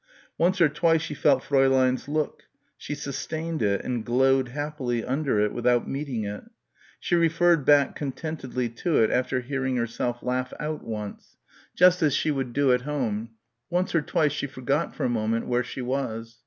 Once or twice she felt Fräulein's look; she sustained it, and glowed happily under it without meeting it; she referred back contentedly to it after hearing herself laugh out once just as she would do at home; once or twice she forgot for a moment where she was.